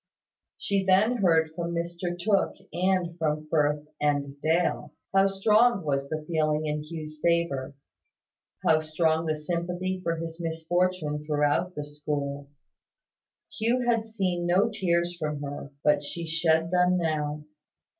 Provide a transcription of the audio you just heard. She then heard from Mr Tooke and from Firth and Dale, how strong was the feeling in Hugh's favour how strong the sympathy for his misfortune throughout the school. Hugh had seen no tears from her; but she shed them now.